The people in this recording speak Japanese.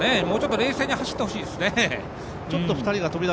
もうちょっと冷静に走ってほしいですよね。